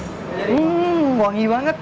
hmm wangi banget